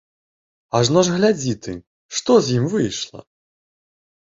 Ажно ж глядзі ты, што з ім выйшла?